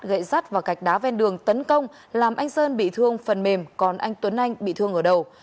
gậy sắt và gạch đá ven đường tấn công làm anh sơn bị thương phần mềm còn anh tuấn anh bị thương ở đầu